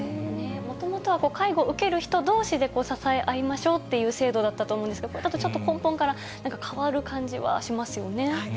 もともとは介護受ける人どうしで支え合いましょうっていう制度だったと思うんですけれども、これだとちょっと根本から変わる感じはしますよね。